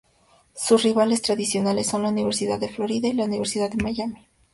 Sus rivales tradicionales son la Universidad de Florida y la Universidad de Miami.